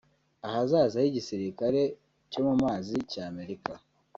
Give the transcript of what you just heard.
Ahazaza h’igisirikare cyo mu mazi cya Amerika